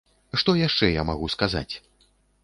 Што яшчэ я магу сказаць?